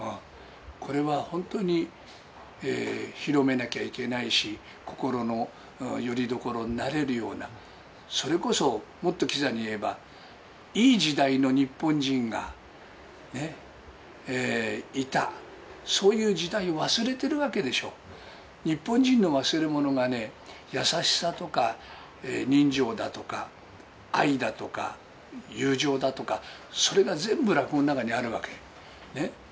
これは本当に広めなきゃいけないし、心のよりどころになれるような、それこそもっときざに言えば、いい時代の日本人がね、いた、そういう時代を忘れてるわけでしょう、日本人の忘れ物がね、優しさとか、人情だとか、愛だとか友情だとか、それが全部、落語の中にあるわけ。ね。